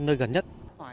nơi gần nhất